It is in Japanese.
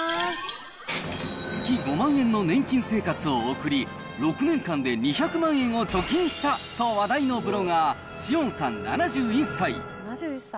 月５万円の年金生活を送り、６年間で２００万円を貯金したと話題のブロガー、紫苑さん７１歳。